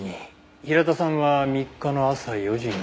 平田さんは３日の朝４時に。